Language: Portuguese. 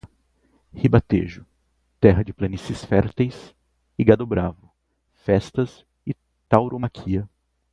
Ribatejo, terra de planícies férteis e gado bravo, festas e tauromaquia.